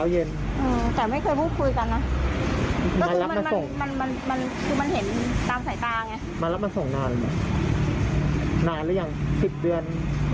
เป็นปีพี่เพิ่งจะมาขายได้ประมาณ๑เดือน